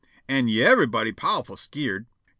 an' yiver'body powerful skeered.